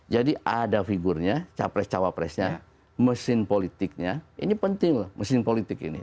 jadi ada figurnya capres cawapresnya mesin politiknya ini penting loh mesin politik ini